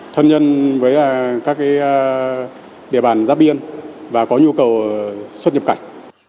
thân nhân với các địa bàn giáp biên và có nhu cầu xuất nhập cảnh